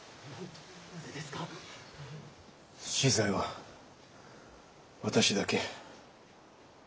死罪は私だけ。